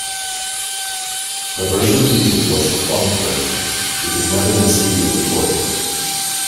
The version featured was the "funk" version, which has never been studio-recorded.